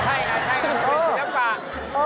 ดีตั้งปาก